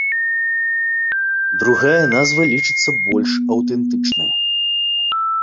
Другая назва лічыцца больш аўтэнтычнай.